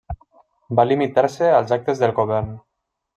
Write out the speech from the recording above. Va limitar-se als actes del govern.